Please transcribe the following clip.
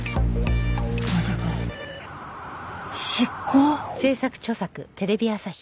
まさか執行？